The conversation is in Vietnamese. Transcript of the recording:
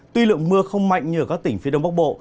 tuy lượng mưa không mạnh như ở các tỉnh phía đông bắc bộ